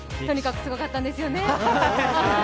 とにかく、すごかったんですよね！